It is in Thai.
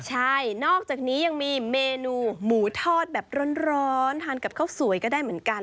ใช่นอกจากนี้ยังมีเมนูหมูทอดแบบร้อนทานกับข้าวสวยก็ได้เหมือนกัน